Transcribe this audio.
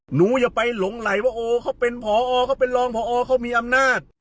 อย่าไปหลงไหลว่าโอ้เขาเป็นผอเขาเป็นรองพอเขามีอำนาจ